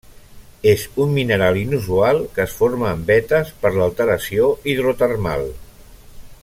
És un mineral inusual que es forma en vetes per alteració hidrotermal.